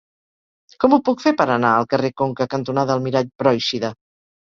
Com ho puc fer per anar al carrer Conca cantonada Almirall Pròixida?